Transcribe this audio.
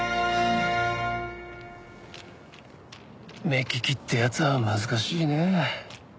目利きってやつは難しいねえ。